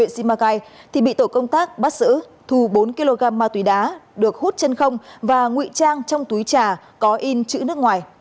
simacai thì bị tổ công tác bắt giữ thu bốn kg ma túy đá được hút chân không và ngụy trang trong túi trà có in chữ nước ngoài